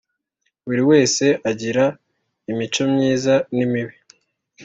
Buri wese agira imico myiza n imibi